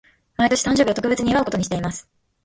毎年、誕生日を特別に祝うことにしています。